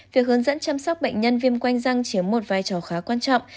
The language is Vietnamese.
việc hướng dẫn chăm sóc bệnh nhân viêm quanh răng chiếm một vai trò khá quan trọng